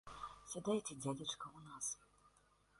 Сядайце, дзядзечка, у нас!